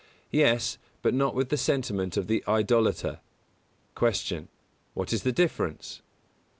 Yes, but not with the sentiment of the idolater. 181. Q. _What is the difference?